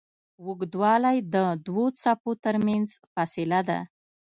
اوږدوالی د دوو څپو تر منځ فاصله ده.